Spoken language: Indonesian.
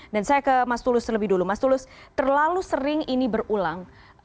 dan saya ke mas tulus lebih dulu mas tulus terlalu sering ini berulang